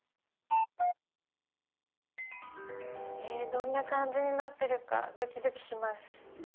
えどんな感じになってるかドキドキします。